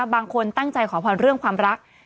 บางคนตั้งใจขอพรเรื่องความรัก